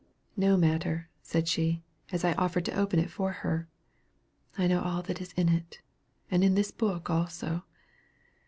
"No matter," said she, as I offered to open it for her; "I know all that is in it, and in that book also.